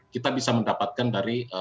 kita bisa mendapatkan dari